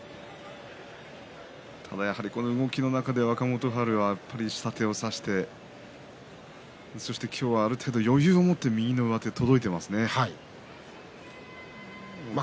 ただ、やはりこの動きの中で若元春は下手を差してそして今日は余裕を持って右の上手に届いていますね。